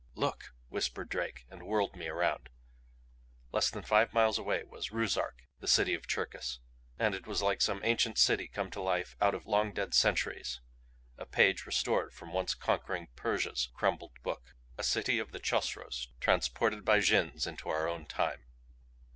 "Look," whispered Drake, and whirled me around. Less than five miles away was Ruszark, the City of Cherkis. And it was like some ancient city come into life out of long dead centuries. A page restored from once conquering Persia's crumbled book. A city of the Chosroes transported by Jinns into our own time.